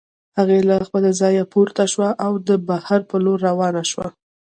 هغې له خپله ځايه پورته شوه او د بهر په لور روانه شوه.